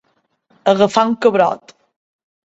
Agafar un cabrot.